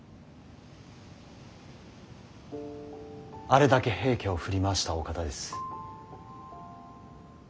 あれだけ平家を振り回したお方です。